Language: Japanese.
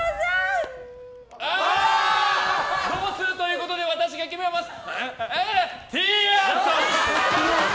同数ということで私が決めます。